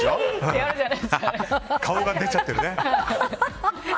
顔が出ちゃってるね。